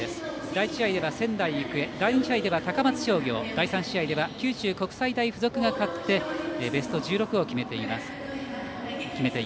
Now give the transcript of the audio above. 第１試合では仙台育英第２試合では高松商業第３試合では九州国際大付属が勝ってベスト１６を決めています。